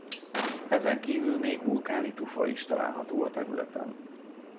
Ezenkívül még vulkáni tufa is található a területen.